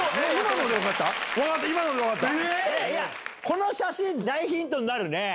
この写真大ヒントになるね。